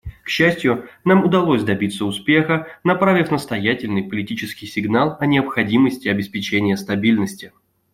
К счастью, нам удалось добиться успеха, направив настоятельный политический сигнал о необходимости обеспечения стабильности.